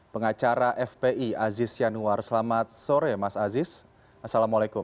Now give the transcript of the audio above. pengacara fpi aziz yanuar selamat sore mas aziz assalamualaikum